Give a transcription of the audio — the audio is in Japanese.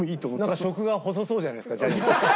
なんか食が細そうじゃないですかジャニーズって。